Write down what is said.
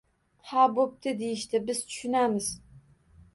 “Ha, bo’pti”, — deyishdi, biz tushunamiz.